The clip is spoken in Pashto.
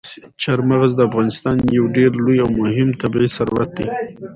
چار مغز د افغانستان یو ډېر لوی او مهم طبعي ثروت دی.